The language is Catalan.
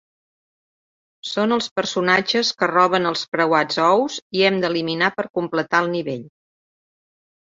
Són els personatges que roben els preuats ous i hem d'eliminar per completar el nivell.